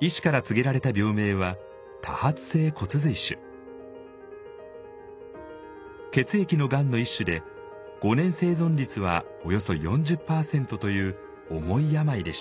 医師から告げられた病名は血液のがんの一種で５年生存率はおよそ４０％という重い病でした。